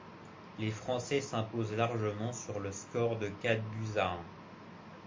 Les Français s'imposent largement sur le score de quatre buts à un.